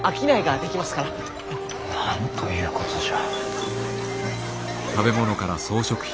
なんということじゃ。